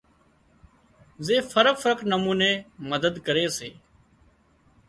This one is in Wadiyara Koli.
زي فرق فرق نموني مدد ڪري سي